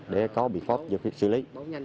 để có bị phóp giúp xử lý